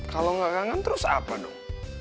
kalo gak kangen terus apa dong